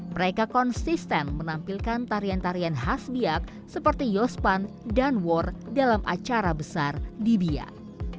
mereka konsisten menampilkan tarian tarian khas biak seperti yospan dan war dalam acara besar di biak